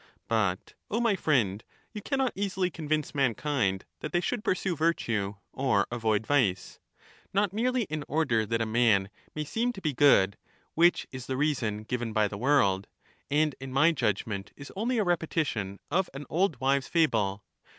But, O my friend, you «««" can cannot easily convincF'mahTcmd^tliat they should pursue away when virtue or avoid vice, not merely in order that a man may they be seem to be good, which is the reason given by the world, ^and in my judgment is only a repetition of an old wives' fable.